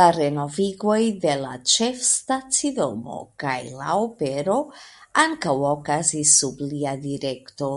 La renovigoj de la ĉefstacidomo kaj la opero ankaŭ okazis sub lia direkto.